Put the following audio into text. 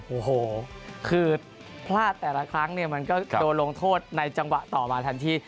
โอ้โหคือพลาดแต่ละครั้งเนี่ยมันก็โดนลงโทษในจังหวะต่อมาทันที